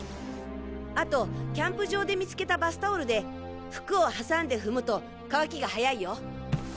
あとキャンプ場で見つけたバスタオルで服を挟んで踏むと乾きが早いよ。